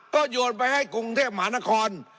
ก็โยนไปให้กรุงเทพมหานคร